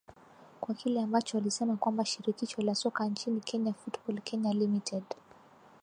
kwa kile ambacho walisema kwamba shirikisho la soka nchini kenya football kenya limited